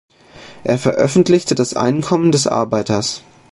Er veröffentlichte „Das Einkommen des Arbeiters“.